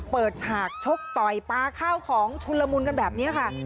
ฉากชกต่อยปลาข้าวของชุนละมุนกันแบบนี้ค่ะ